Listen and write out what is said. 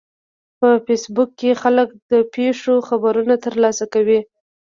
په فېسبوک کې خلک د پیښو خبرونه ترلاسه کوي